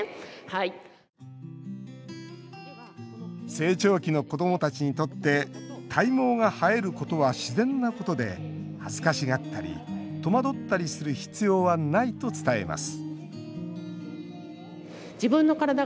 成長期の子どもたちにとって体毛が生えることは自然なことで恥ずかしがったり戸惑ったりする必要はないと伝えます